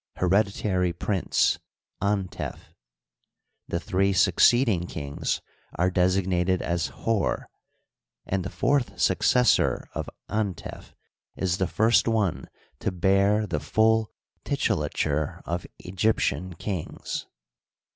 hereditary prince) Antef, The three succeeding kings are desig nated as Hor, and the fourth successor of Ante/ is the first one to bear the full titulature of Egyptian kings.